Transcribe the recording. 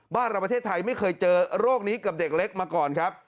บ้านเราประเทศไทยไม่เคยเจอโรคนี้กับเด็กเล็กมาก่อนครับ